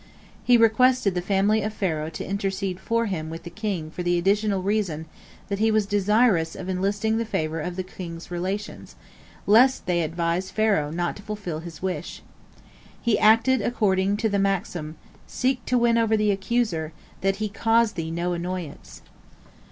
He requested the family of Pharaoh to intercede for him with the king for the additional reason that he was desirous of enlisting the favor of the king's relations, lest they advise Pharaoh not to fulfil his wish. He acted according to the maxim, "Seek to win over the accuser, that he cause thee no annoyance."